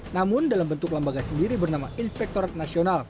namun dalam bentuk lembaga sendiri bernama inspektorat nasional